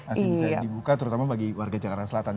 asli bisa dibuka terutama bagi warga dki jakarta